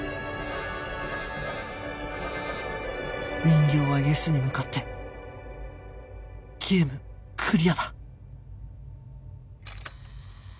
人形は ＹＥＳ に向かってゲームクリアだ